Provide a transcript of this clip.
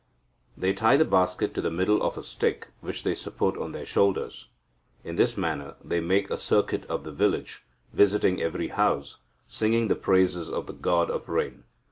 They tie the basket to the middle of a stick, which they support on their shoulders. In this manner, they make a circuit of the village, visiting every house, singing the praises of the god of rain.